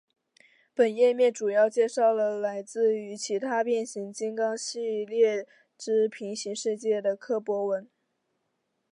本页面主要介绍了来自于其他变形金刚系列之平行世界的柯博文。